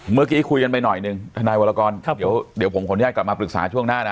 เมื่อกี้คุยกันไปหน่อยหนึ่งทนายวรกรเดี๋ยวผมขออนุญาตกลับมาปรึกษาช่วงหน้านะ